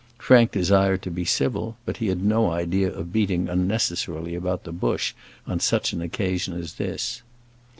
Frank desired to be civil, but he had no idea of beating unnecessarily about the bush on such an occasion as this.